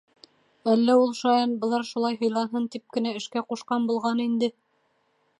Әллә ул, шаян, былар шулай һыйланһын тип кенә, эшкә ҡушҡан булған инде.